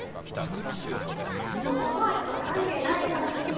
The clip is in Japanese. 私もう智明とは関係ないから。